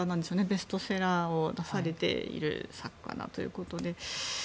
ベストセラーを出されている作家だということで。